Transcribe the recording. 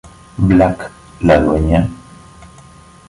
Black, la dueña.